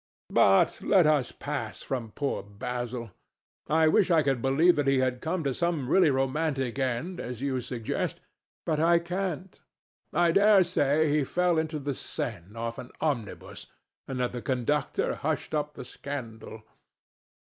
But let us pass from poor Basil. I wish I could believe that he had come to such a really romantic end as you suggest, but I can't. I dare say he fell into the Seine off an omnibus and that the conductor hushed up the scandal.